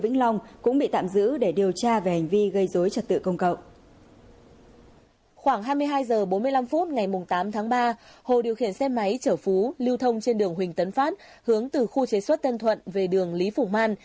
khoảng hai mươi hai h bốn mươi năm phút ngày tám tháng ba hồ điều khiển xe máy chở phú lưu thông trên đường huỳnh tấn phát hướng từ khu chế xuất tân thuận về đường lý phủ man